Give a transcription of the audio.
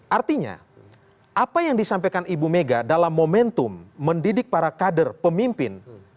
artinya apa yang disampaikan ibu mega dalam momentum mendidik para kader pemimpin